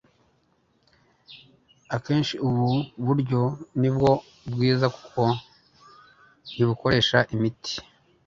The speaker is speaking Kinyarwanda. Akenshi ubu buryo nibwo bwiza kuko ntibukoresha imiti.